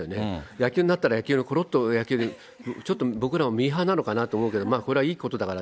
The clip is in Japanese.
野球になったら野球に、ころっと、野球に、ちょっと僕らもミーハーなのかなって思うけど、まあこれはいいことだから。